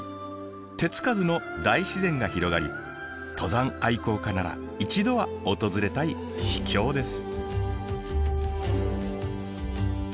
手付かずの大自然が広がり登山愛好家なら一度は訪れたい秘境です。